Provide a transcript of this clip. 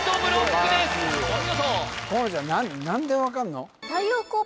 お見事河野ちゃん何で分かんの？